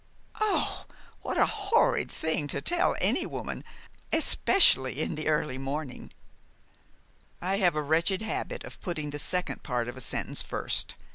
"Oh, what a horrid thing to tell any woman, especially in the early morning!" "I have a wretched habit of putting the second part of a sentence first.